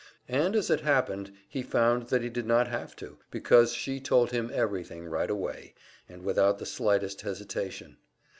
And as it happened, he found that he did not have to, because she told him everything right away, and without the slightest hesitation.